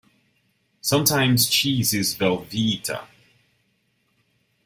Sometimes cheese is Velveeta.